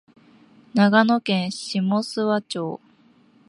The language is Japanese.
長野県下諏訪町